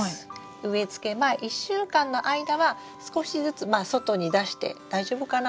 植えつけ前１週間の間は少しずつまあ外に出して大丈夫かな？